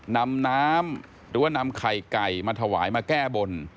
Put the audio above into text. นำน้ำหรือว่านำไข่ไก่มาถวายมาแก้บน